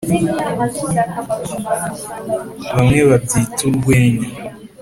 bamwe babyita “urwenya”,